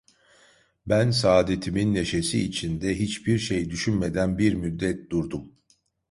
Ben saadetimin neşesi içinde, hiçbir şey düşünmeden bir müddet durdum.